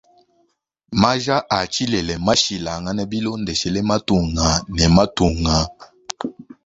Maja a tshilela mmashilangana bilondeshela matunga ne matunga.